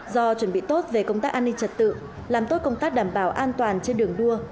do chuẩn bị tốt về công tác an ninh trật tự làm tốt công tác đảm bảo an toàn trên đường đua